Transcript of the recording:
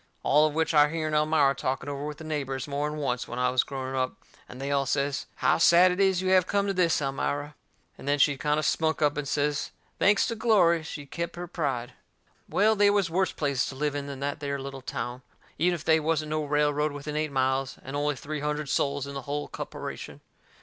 All of which I hearn Elmira talking over with the neighbours more'n once when I was growing up, and they all says: "How sad it is you have came to this, Elmira!" And then she'd kind o' spunk up and say, thanks to glory, she'd kep' her pride. Well, they was worse places to live in than that there little town, even if they wasn't no railroad within eight miles, and only three hundred soles in the hull copperation.